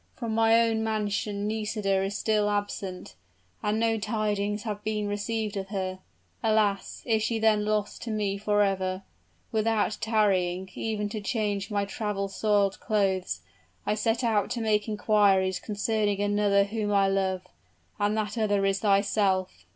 From my own mansion Nisida is still absent: and no tidings have been received of her. Alas! is she then lost to me forever? Without tarrying even to change my travel soiled clothes, I set out to make inquiries concerning another whom I love and that other is thyself!